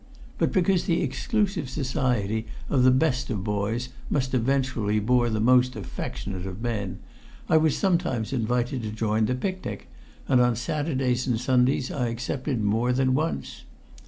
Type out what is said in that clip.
But because the exclusive society of the best of boys must eventually bore the most affectionate of men, I was sometimes invited to join the picnic, and on Saturdays and Sundays I accepted more than once.